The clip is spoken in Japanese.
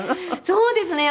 そうですね。